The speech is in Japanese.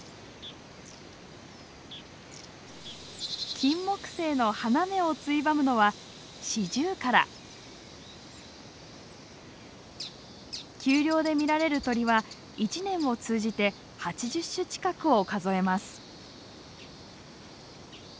キンモクセイの花芽をついばむのは丘陵で見られる鳥は一年を通じて８０種近くを数えます。